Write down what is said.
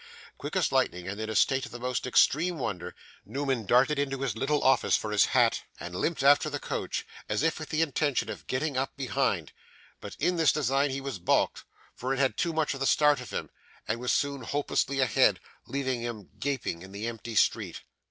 Quick as lightning and in a state of the most extreme wonder, Newman darted into his little office for his hat, and limped after the coach as if with the intention of getting up behind; but in this design he was balked, for it had too much the start of him and was soon hopelessly ahead, leaving him gaping in the empty street.